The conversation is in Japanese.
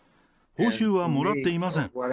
報酬はもらっていません。